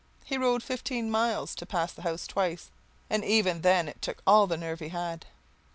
He rode fifteen miles to pass the house twice, and even then it took all the nerve that he had.